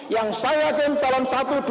yang saya yakin dalam satu dua tiga